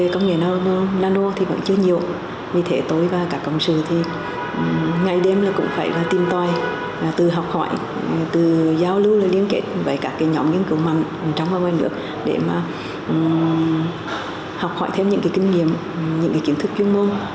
công nghệ nano thì vẫn chưa nhiều vì thế tôi và các công sư thì ngày đêm cũng phải tìm tòi từ học hỏi từ giao lưu liên kết với các nhóm nghiên cứu mạnh trong và ngoài nước để mà học hỏi thêm những kinh nghiệm những kiến thức chuyên môn